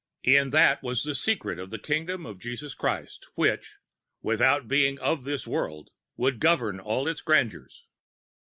In that was the secret of that kingdom of Jesus Christ, which, without being of this world, would govern all its grandeurs.